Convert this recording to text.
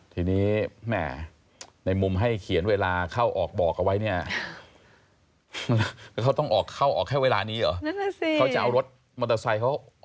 ทีนี้แม่ในมุมให้เขียนเวลาเข้าออกบอกเอาไว้เนี่ย